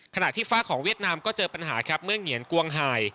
ที่ฟ้าของเวียดนามก็เจอปัญหาครับเมื่อเหงียนกวงหาย